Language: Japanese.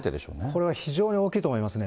これは非常に大きいと思いますね。